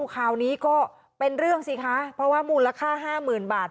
คราวนี้ก็เป็นเรื่องสิคะเพราะว่ามูลค่า๕๐๐๐บาท